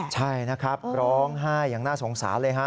ใช่นะครับร้องไห้อย่างน่าสงสารเลยฮะ